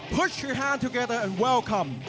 พัชโนโลมีแฮนด์กันให้รับ